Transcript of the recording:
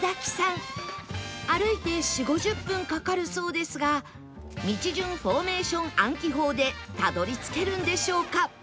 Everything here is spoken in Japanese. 歩いて４０５０分かかるそうですが道順フォーメーション暗記法でたどり着けるんでしょうか？